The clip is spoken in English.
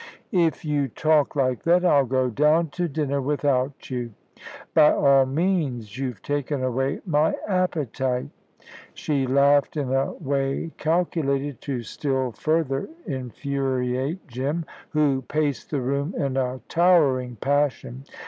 "If you talk like that, I'll go down to dinner without you." "By all means. You've taken away my appetite." She laughed in a way calculated to still further infuriate Jim, who paced the room in a towering passion.